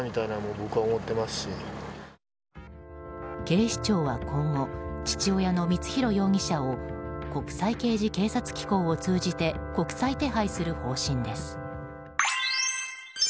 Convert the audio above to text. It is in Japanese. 警視庁は今後父親の光弘容疑者を国際刑事警察機構を通じて国際手配する方針です。